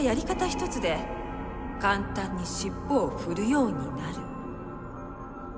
一つで簡単に尻尾を振るようになる。